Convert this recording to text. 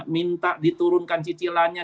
minta diturunkan cicilannya